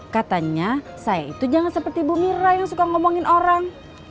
katanya saya itu jangan seperti bu mira yang suka ngomongin orang